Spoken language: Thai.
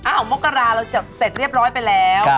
อ้าวโมกราเราเสร็จเรียบร้อยไปแล้ว